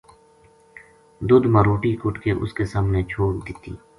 دودھ ما روٹی کُٹ کے اس کے سامنے چھوڈ دتّی